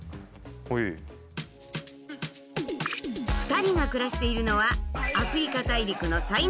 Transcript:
２人が暮らしているのはアフリカ大陸の最南端